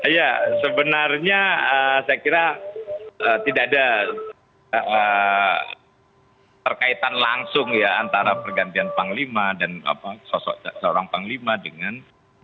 ya sebenarnya saya kira tidak ada terkaitan langsung ya antara pergantian panglima dan sosok seorang panglima dengan